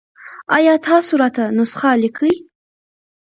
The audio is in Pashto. ایا تاسو راته نسخه لیکئ؟